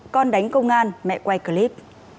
con đánh công an mẹ quay clip